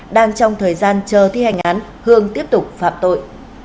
đang trong thời gian chờ thi hành án hương tiếp tục phạm tội